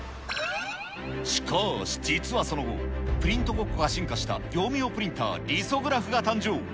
しかーし、実はその後、プリントゴッコが進化した業務用プリンター、リソグラフが誕生。